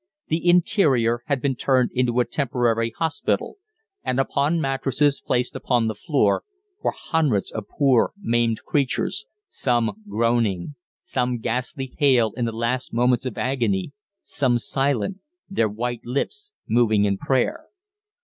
The interior had been turned into a temporary hospital, and upon mattresses placed upon the floor were hundreds of poor maimed creatures, some groaning, some ghastly pale in the last moments of agony, some silent, their white lips moving in prayer.